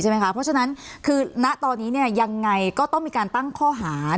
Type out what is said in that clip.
เพราะฉะนั้นคือณตอนนี้ยังไงก็ต้องมีการตั้งข้อหา